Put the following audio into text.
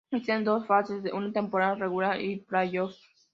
Existen dos fases, una temporada regular y playoffs.